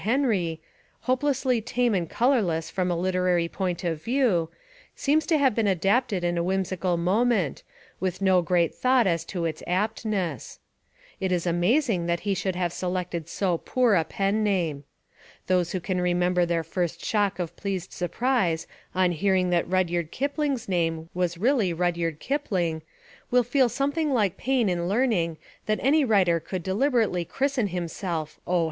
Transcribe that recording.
Henry, — hopelessly tame and colourless from a literary point of view, — seems to have been adapted in a whimsical mo ment, with no great thought as to its aptness. It is amazing that he should have selected so poor a pen name. Those who can remember their first shock of pleased surprise on hearing that Rudyard Kipling's name was really Rud yard Kiphng, will feel something like pain in learning that any writer could deliberately christen himself "O.